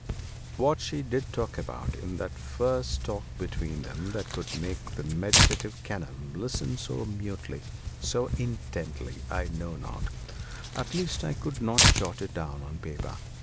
What she did talk about in that first talk between them that could make the meditative Kenelm listen so mutely, so intently, I know not; at least I could not jot it down on paper.